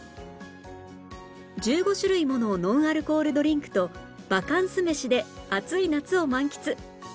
１５種類ものノンアルコールドリンクとバカンス飯で暑い夏を満喫！